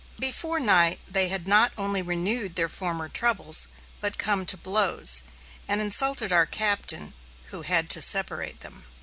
Before night they had not only renewed their former troubles, but come to blows, and insulted our Captain, who had tried to separate them.